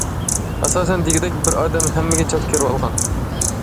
ئاساسەن دېگۈدەك بىر ئادەم ھەممىگە چات كېرىۋالغان.